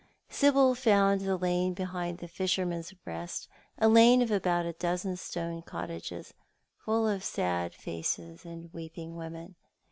Sibyl found the lane behind the Fisherman's Eest— a lane of about a dozen stone cottages— full of sad faces and weeping women.